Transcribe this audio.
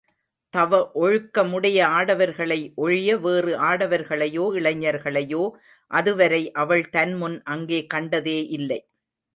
தவ ஒழுக்கமுடைய ஆடவர்களை ஒழிய வேறு ஆடவர்களையோ இளைஞர்களையோ அதுவரை அவள் தன்முன் அங்கே கண்டதே இல்லை.